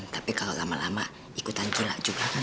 tapi kalau lama lama ikutan tuna juga kan